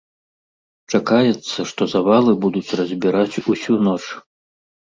Чакаецца, што завалы будуць разбіраць усю ноч.